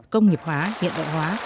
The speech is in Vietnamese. công nghiệp hóa hiện đại hóa